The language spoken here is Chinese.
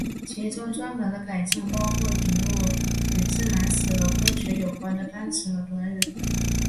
其中专门的改进包括引入与自然史和科学有关的单词和短语。